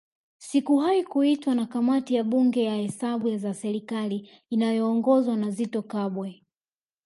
Sikuwahi kuitwa na Kamati ya Bunge ya Hesabu za serikali inayoongozwa na Zitto Kabwe